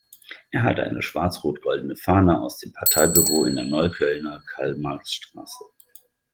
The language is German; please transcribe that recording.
Er hatte eine schwarz-rot-goldene Fahne aus dem Parteibüro in der Neuköllner Karl-Marx-Straße.